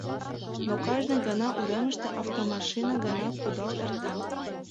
Но кажне гана уремыште автомашина гына кудал эрта.